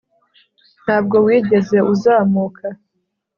Ntabwo wigeze uzamuka